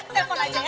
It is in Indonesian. telepon aja ya